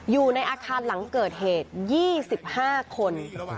อยู่ในอาคารหลังเกิดเหตุ๒๕คน